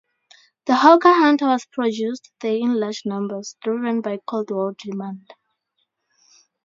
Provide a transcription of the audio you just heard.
The Hawker Hunter was produced there in large numbers, driven by cold war demand.